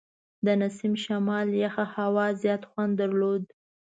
د نسیم شمال یخه هوا زیات خوند درلود.